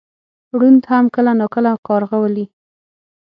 ړوند هم کله ناکله کارغه ولي .